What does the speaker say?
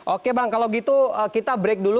oke bang kalau gitu kita break dulu